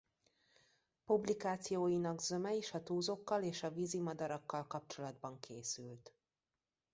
Publikációinak zöme is a túzokkal és a vízimadarakkal kapcsolatban készült.